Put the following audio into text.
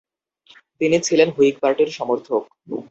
তিনি ছিলেন হুইগ পার্টির সমর্থক।